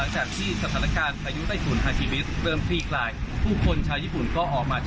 เชิญค่ะ